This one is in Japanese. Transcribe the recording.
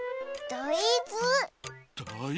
だいず。